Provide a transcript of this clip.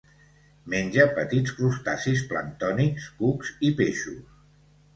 Menja petits crustacis planctònics, cucs i peixos.